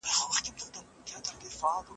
ذهني فشار د تفریح خوند کموي.